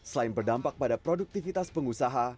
selain berdampak pada produktivitas pengusaha